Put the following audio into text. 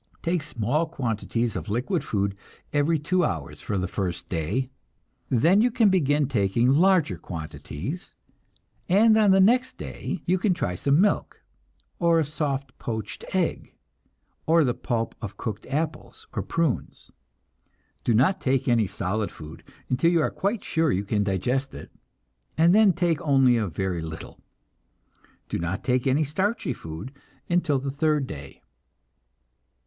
Take small quantities of liquid food every two hours for the first day. Then you can begin taking larger quantities, and on the next day you can try some milk, or a soft poached egg, or the pulp of cooked apples or prunes. Do not take any solid food until you are quite sure you can digest it, and then take only a very little. Do not take any starchy food until the third day.